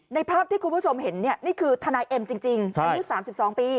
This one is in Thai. ในภาพที่คุณผู้ชมเห็นเนี่ยนี่คือธนายเอ็มจริงนี่๓๒ปี